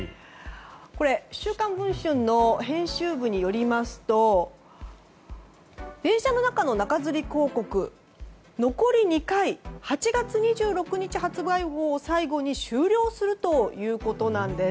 「週刊文春」の編集部によりますと電車の中の中づり広告残り２回８月２６日発売号を最後に終了するということなんです。